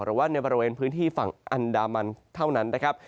หรือว่าในบริเวณพื้นที่ฝั่งอันดามันเท่านั้นนะครับ